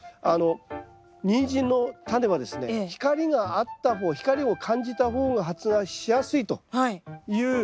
ニンジンのタネはですね光があった方光を感じた方が発芽しやすいという性質がありますので。